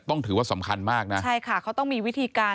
ต้องถือว่าสำคัญมากนะใช่ค่ะเขาต้องมีวิธีการ